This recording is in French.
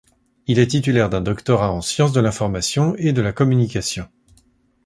Il est titulaire d'un doctorat en sciences de l'information et de la communication.